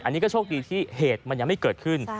อันนี้ก็โชคดีที่เหตุมันยังไม่เกิดขึ้น